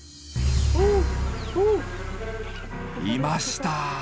いました。